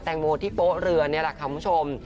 งโมที่โป๊ะเรือนี่แหละค่ะคุณผู้ชม